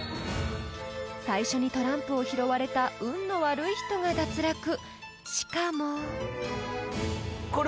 ［最初にトランプを拾われた運の悪い人が脱落しかも］